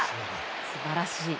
素晴らしい。